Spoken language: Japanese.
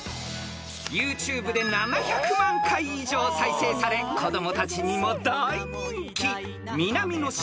［ＹｏｕＴｕｂｅで７００万回以上再生され子供たちにも大人気］